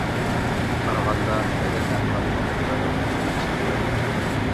قارىغاندا، بەدەن ئەھۋالىمۇ تازا ياخشى بولمىسا كېرەك.